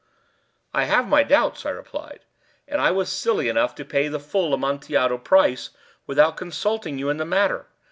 "I have my doubts," I replied; "and I was silly enough to pay the full Amontillado price without consulting you in the matter.